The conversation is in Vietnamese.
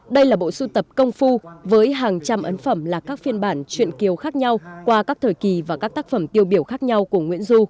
đây là bộ sưu tập công phu với hàng trăm ấn phẩm là các phiên bản chuyện kiều khác nhau qua các thời kỳ và các tác phẩm tiêu biểu khác nhau của nguyễn du